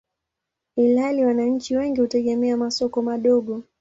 ilhali wananchi wengi hutegemea masoko madogo.